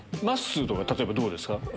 まっすーとかどうですか？